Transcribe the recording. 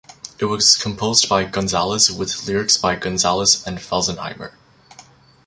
It was composed by Gonzalez with lyrics by Gonzalez and Felsenheimer.